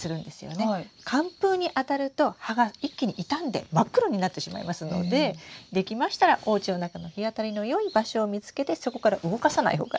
寒風にあたると葉が一気に傷んで真っ黒になってしまいますのでできましたらおうちの中の日当たりのよい場所を見つけてそこから動かさない方がいいです。